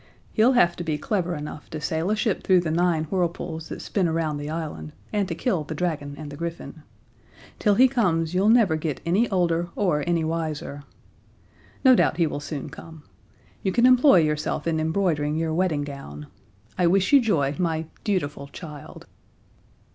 He'll have to be clever enough to sail a ship through the Nine Whirlpools that spin around the island, and to kill the dragon and the griffin. Till he comes you'll never get any older or any wiser. No doubt he will soon come. You can employ yourself in embroidering your wedding gown. I wish you joy, my dutiful child."